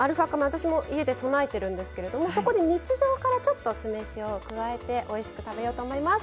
私も家で備えてるんですけれどもそこで日常からちょっと酢飯を加えておいしく食べようと思います。